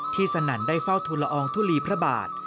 ที่สนันทร์ได้เฝ้าทุลอองทุลีพระบาท